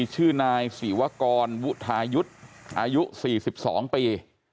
ชื่อนายศรีวกรวุทายุทธ์อายุ๔๒ปี